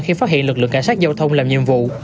khi phát hiện lực lượng cảnh sát giao thông làm nhiệm vụ